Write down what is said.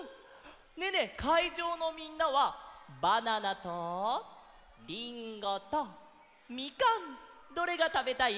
ねえねえかいじょうのみんなは「バナナ」と「りんご」と「みかん」どれがたべたい？